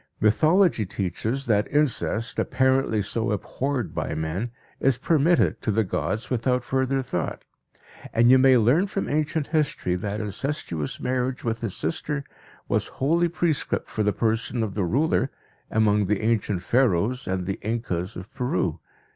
Mythology teaches that incest, apparently so abhorred by men, is permitted to the gods without further thought, and you may learn from ancient history that incestuous marriage with his sister was holy prescript for the person of the ruler (among the ancient Pharaohs and the Incas of Peru).